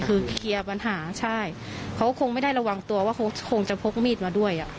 คือเคลียร์ปัญหาใช่เขาคงไม่ได้ระวังตัวว่าเขาคงจะพกมีดมาด้วย